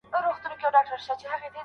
ږیره لرونکي سړي ولي ډوډۍ او مڼه راوړه؟